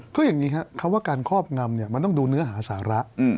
ก็อย่างนี้ครับคำว่าการครอบงำมันต้องดูเนื้อหาสาระ